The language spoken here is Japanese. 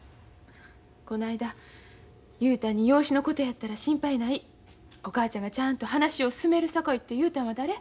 この間雄太に「養子のことやったら心配ないお母ちゃんがちゃんと話を進めるさかい」って言うたんは誰？